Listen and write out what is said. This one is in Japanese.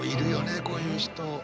こういう人。